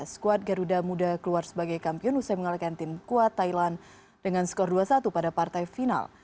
skuad garuda muda keluar sebagai kampion usai mengalahkan tim kuat thailand dengan skor dua satu pada partai final